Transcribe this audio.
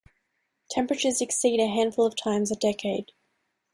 Temperatures exceed a handful of times a decade.